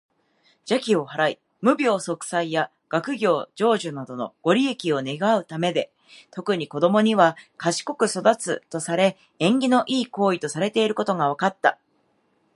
邪気を払い、無病息災や学業成就などのご利益を願うためで、特に子どもには「賢く育つ」とされ、縁起の良い行為とされていることが分かった。